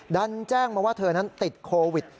ดันแจ้งมาว่าเธอนั้นติดโควิด